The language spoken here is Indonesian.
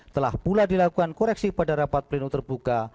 telah pula dilakukan koreksi pada rapat pleno terbuka